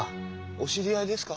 お知り合いですか？